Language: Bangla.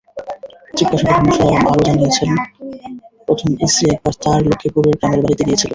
জিজ্ঞাসাবাদে মোরশেদ আলম আরও জানিয়েছিলেন, প্রথম স্ত্রী একবার তাঁর লক্ষ্মীপুরের গ্রামের বাড়িতে গিয়েছিল।